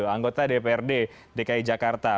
anggota dprd dki jakarta